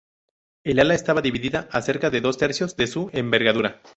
El ala estaba dividida a cerca de dos tercios de su envergadura.